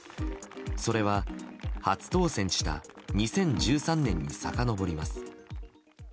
それは、初当選した２０１３年にさかのぼります。